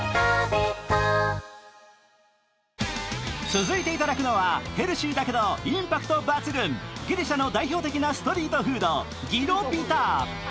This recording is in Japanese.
続いて頂くのはヘルシーだけどインパクト抜群、ギリシャの代表的なストリートフード、ギロピタ。